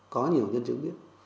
có nhiều nhân chứng biết